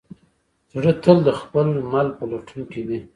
زړه تل د خپل مل په لټون کې وي.